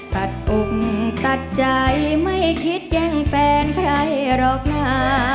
ตัดอกตัดใจไม่คิดแย่งแฟนใครหรอกนะ